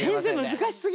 難しすぎる！